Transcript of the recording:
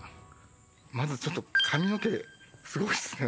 まずちょっと髪の毛すごいっすね